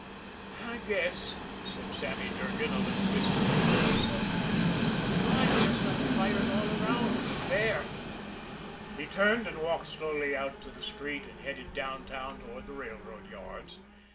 "I guess," said Sammy Durgan a little wistfully to himself, "I guess I'm fired all around for fair." He turned and walked slowly out to the street and headed downtown toward the railroad yards.